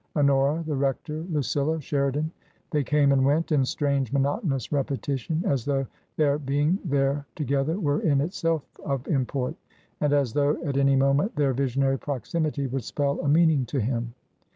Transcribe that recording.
Honora, the rector, Lucilla, Sheridan — they came and went in strange, monotonous repetition, as though their being there together were in itself of import, and as though at any moment their visionary proximity would spell a meaning to him.